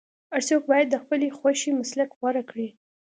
هر څوک باید د خپلې خوښې مسلک غوره کړي.